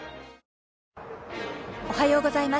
おはようございます。